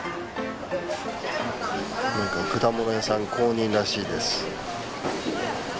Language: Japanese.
何か果物屋さん公認らしいです。